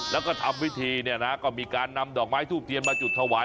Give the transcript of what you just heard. แล้วก็ทำวิธีเนี่ยนะก็มีการนำดอกไม้ทูบเทียนมาจุดถวาย